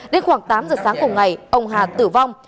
đến khoảng tám giờ sáng cùng ngày ông hà tử vong